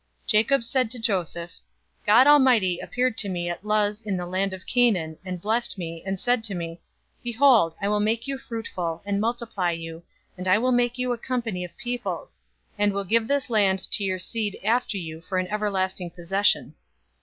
048:003 Jacob said to Joseph, "God Almighty appeared to me at Luz in the land of Canaan, and blessed me, 048:004 and said to me, 'Behold, I will make you fruitful, and multiply you, and I will make of you a company of peoples, and will give this land to your seed after you for an everlasting possession.'